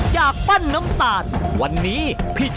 มันแขวนมันใหญ่เลย